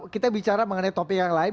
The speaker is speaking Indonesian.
kita bicara mengenai topik yang lain